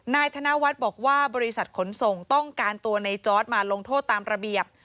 ธนวัฒน์บอกว่าบริษัทขนส่งต้องการตัวในจอร์ดมาลงโทษตามระเบียบ